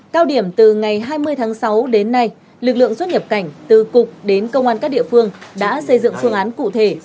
cao điểm từ ngày hai mươi tháng sáu đến nay lực lượng xuất nhập cảnh từ cục đến công an các địa phương đã xây dựng phương án cụ thể